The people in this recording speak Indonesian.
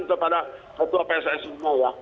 untuk pada ketua pssi semua ya